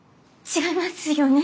違いますよね？